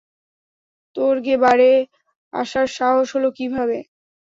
তোর গে বারে আসার সাহস হলো কিভাবে?